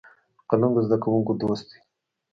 قلم د زده کوونکو دوست دی